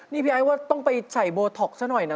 นี่พี่ไอ้ว่าต้องไปใส่โบท็อกซซะหน่อยนะ